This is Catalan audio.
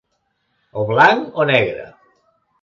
O blanc o negre.